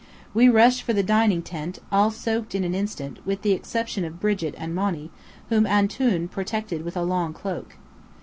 We rushed for the dining tent, all soaked in an instant, with the exception of Brigit and Monny, whom "Antoun" protected with a long cloak.